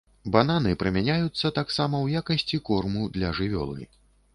Бананы прымяняюцца таксама ў якасці корму для жывёлы.